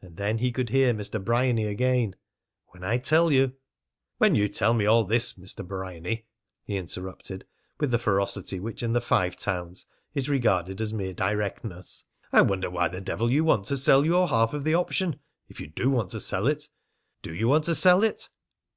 And then he could hear Mr. Bryany again: "When I tell you " "When you tell me all this, Mr. Bryany," he interrupted with the ferocity which in the Five Towns is regarded as mere directness, "I wonder why the devil you want to sell your half of the option if you do want to sell it. Do you want to sell it?"